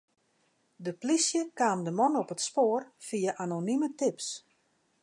De plysje kaam de man op it spoar fia anonime tips.